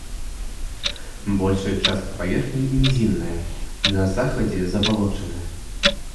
Большая частка паверхні нізінная, на захадзе забалочаная.